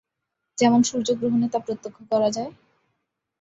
যেমন সূর্যগ্রহণে তা প্রত্যক্ষ করা যায়।